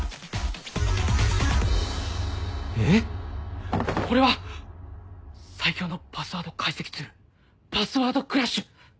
えっ⁉これは最強のパスワード解析ツールパスワードクラッシュ！